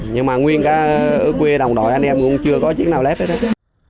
nhưng mà nguyên cả ở quê đồng đội anh em cũng chưa có chiếc nào lép hết rồi